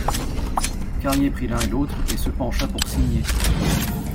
Carrier prit l'un et l'autre et se pencha pour signer.